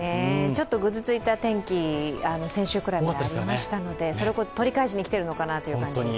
ちょっとぐずついた天気、先週くらいありましたので、それを取り返しにきてるのかなという感じに。